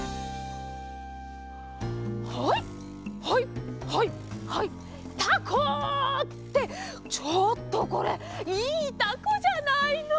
はいはいはいはいタコ！ってちょっとこれいいタコじゃないの！